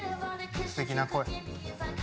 すてきな声。